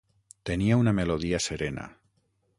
Tenia una melodia serena.